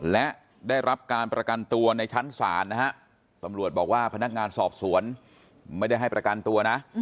และได้รับการประกันตัวในชั้นศาลนะฮะตำรวจบอกว่าพนักงานสอบสวนไม่ได้ให้ประกันตัวนะ